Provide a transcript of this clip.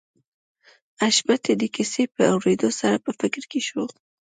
حشمتي د کيسې په اورېدو سره په فکر کې شو